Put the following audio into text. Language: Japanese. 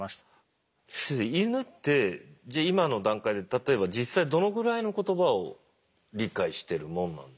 イヌってじゃ今の段階で例えば実際どのぐらいの言葉を理解してるもんなんですかね。